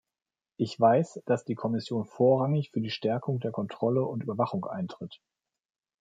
Ich weiß, dass die Kommission vorrangig für die Stärkung der Kontrolle und Überwachung eintritt.